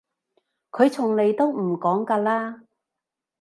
佢從來都唔講㗎啦